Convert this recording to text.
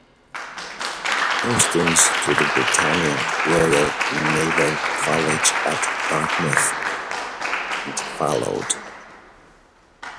Postings to the Britannia Royal Naval College at Dartmouth and followed.